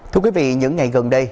thưa quý vị những ngày gần đây